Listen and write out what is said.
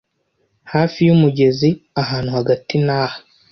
Hafi yumugezi ahantu hagati naha